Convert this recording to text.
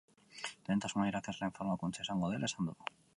Lehentasuna irakasleen formakuntza izango dela esan du.